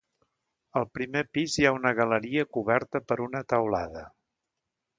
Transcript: Al primer pis hi ha una galeria coberta per una teulada.